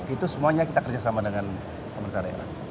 itu semuanya kita kerjasama dengan pemerintah daerah